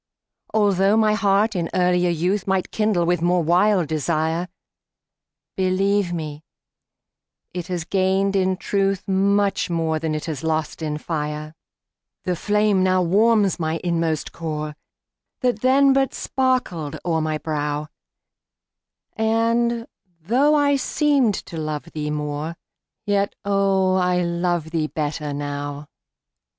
Altho' my heart in earlier youth Might kindle with more wild desire, Believe me, it has gained in truth Much more than it has lost in fire. The flame now warms my inmost core, That then but sparkled o'er my brow, And, though I seemed to love thee more, Yet, oh, I love thee better now.